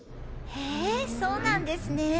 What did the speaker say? へそうなんですね。